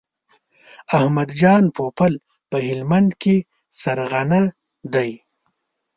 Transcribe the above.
احمد جان پوپل په هلمند کې سرغنه دی.